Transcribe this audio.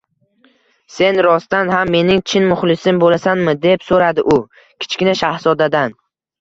— Sen rostdan ham mening chin muxlisim bo‘lasanmi? — deb so‘radi u Kichkina shahzodadan.